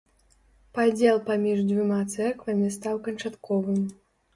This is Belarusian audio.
Падзел паміж дзвюма цэрквамі стаў канчатковым.